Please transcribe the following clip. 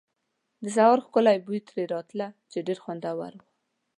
د سهار ښکلی بوی ترې راته، چې ډېر خوندور و.